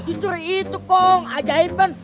justru itu kong ajaiban